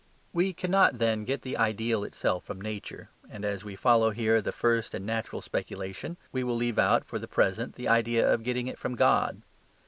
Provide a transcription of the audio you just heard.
We cannot, then, get the ideal itself from nature, and as we follow here the first and natural speculation, we will leave out (for the present) the idea of getting it from God.